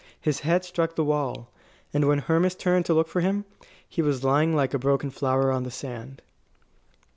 His head struck the wall. And when Hermas turned to look for him, he was lying like a broken flower on the sand.